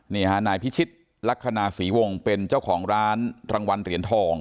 นี่ฮะนายพิชิตลักษณะศรีวงศ์เป็นเจ้าของร้านรางวัลเหรียญทอง